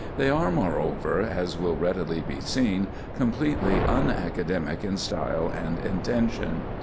They are, moreover, as will readily be seen, completely unacademic in style and intention.